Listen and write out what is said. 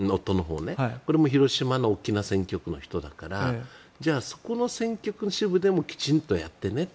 これも広島の大きな選挙区の人だからじゃあそこの選挙区支部でもきちんとやってねと。